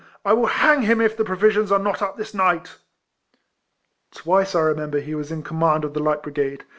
I will hang him if the provisions are not up this night !" Twice I remember he was in command of the light brigade.